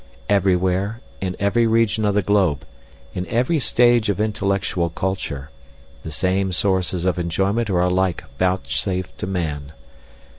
Every where, in every region of the globe, in every stage of intellectual culture, the same sources of enjoyment are alike vouchsafed to man.